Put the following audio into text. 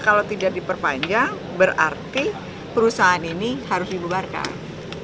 kalau tidak diperpanjang berarti perusahaan ini harus dibubarkan